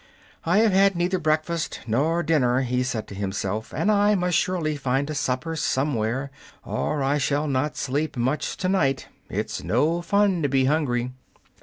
"I have had neither breakfast nor dinner," he said to himself, "and I must surely find a supper somewhere, or I shall not sleep much to night. It is no fun to be hungry."